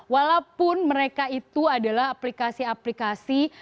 walaupun mereka itu adalah aplikasi aplikasi